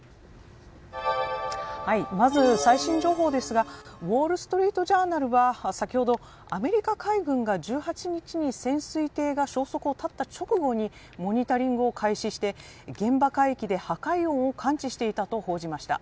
まず、最新情報ですがウォール・ストリート・ジャーナルは、先ほどアメリカ海軍が１８日に潜水艇が消息を絶った直後にモニタリングを開始して現場海域で破壊音を感知していたと報じました。